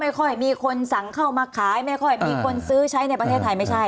ค่อยมีคนสั่งเข้ามาขายไม่ค่อยมีคนซื้อใช้ในประเทศไทยไม่ใช่